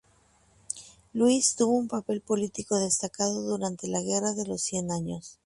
Luis tuvo un papel político destacado durante la guerra de los Cien Años.